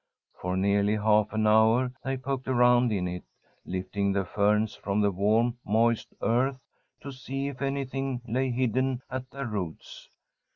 For nearly half an hour they poked around in it, lifting the ferns from the warm, moist earth to see if anything lay hidden at their roots.